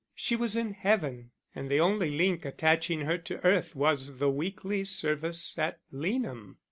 She was in heaven, and the only link attaching her to earth was the weekly service at Leanham.